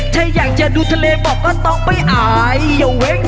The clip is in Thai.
ถ้าอยากจะดูทะเลบอกก็ต้องไปอาย